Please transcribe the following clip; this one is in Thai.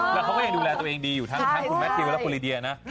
แล้วเขาก็ยังดูแลตัวเองดีอยู่ทั้งคุณแมททิวและคุณลีเดียนะ